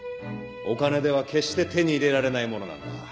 お金では決して手に入れられないものなんだ。